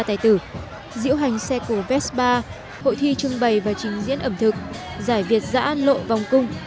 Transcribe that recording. tài tử diễu hành xe cố vespa hội thi trưng bày và trình diễn ẩm thực giải việt giã lộ vòng cung